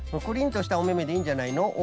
クリンとしたおめめでいいんじゃないの？